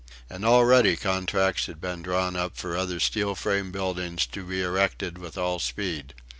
And already contracts had been drawn up for other steel frame buildings to be erected with all speed.